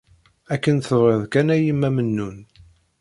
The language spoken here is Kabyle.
Akken tebɣiḍ kan a yemma Mennun.